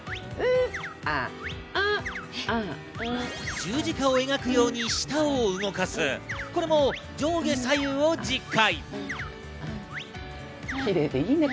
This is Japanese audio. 十字架を描くように舌を動かす、これも上下左右を１０回。